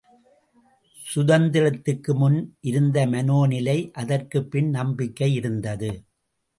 சுதந்திரத்துக்கு முன் இருந்த மனோ நிலை அதற்குப் பின் நம்பிக்கை இருந்தது.